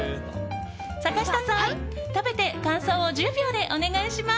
坂下さん、食べて感想を１０秒でお願いします。